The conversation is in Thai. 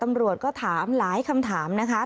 ตำรวจก็ถามหลายคำถามนะคะ